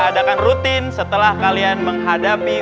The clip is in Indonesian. diadakan rutin setelah kalian menghadapi